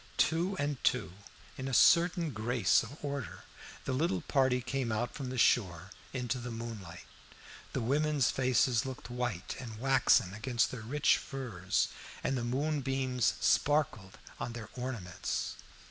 Two and two, in a certain grace of order, the little party came out from the shore into the moonlight. The women's faces looked white and waxen against their rich furs, and the moonbeams sparkled on their ornaments.